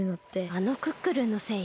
あのクックルンのせい？